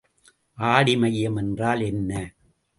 ஆடிமையம் என்றால் என்ன?